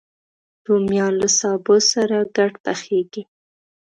رومیان له سابه سره ګډ پخېږي